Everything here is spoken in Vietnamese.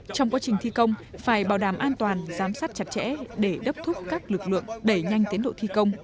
trong quá trình thi công phải bảo đảm an toàn giám sát chặt chẽ để đáp thúc các lực lượng đẩy nhanh tiến độ thi công